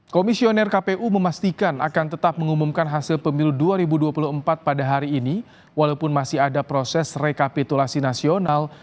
komisioner kpu memastikan akan tetap mengumumkan hasil pemilu dua ribu dua puluh empat pada hari ini walaupun masih ada proses rekapitulasi nasional